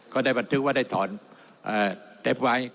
ก็ได้บันทึกว่าได้ถอนเต็ปไว้